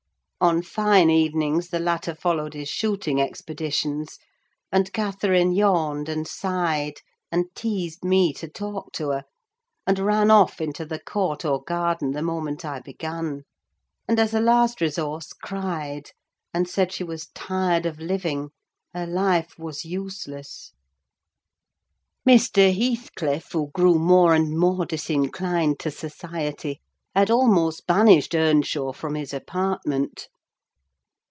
On fine evenings the latter followed his shooting expeditions, and Catherine yawned and sighed, and teased me to talk to her, and ran off into the court or garden the moment I began; and, as a last resource, cried, and said she was tired of living: her life was useless. Mr. Heathcliff, who grew more and more disinclined to society, had almost banished Earnshaw from his apartment.